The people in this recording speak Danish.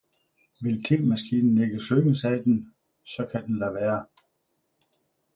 'Vil temaskinen ikke synge,' sagde den, 'så kan den lade være!